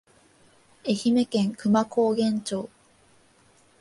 愛媛県久万高原町